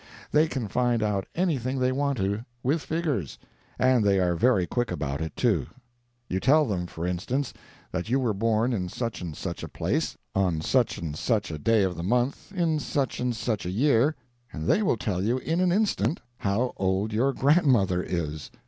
They can find out anything they want to with figures, and they are very quick about it, too. You tell them, for instance, that you were born in such and such a place, on such and such a day of the month, in such and such a year, and they will tell you in an instant how old your grandmother is.